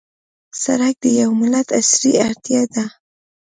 سړک د یوه ملت عصري اړتیا ده.